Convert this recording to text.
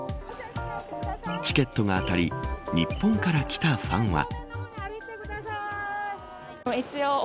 チケットが当たり日本から来たファンは。